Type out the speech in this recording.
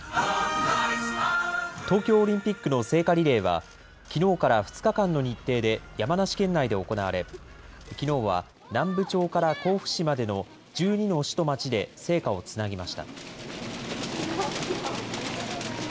東京オリンピックの聖火リレーは、きのうから２日間の日程で、山梨県内で行われ、きのうは南部町から甲府市までの１２の市と町で聖火をつなぎました。